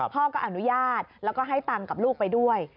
พ่อก็อนุญาตแล้วก็ให้ตังค์กับลูกไปด้วย